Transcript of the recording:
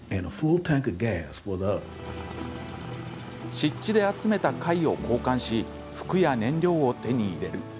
湿地で集めた貝を交換し服や燃料を手に入れる。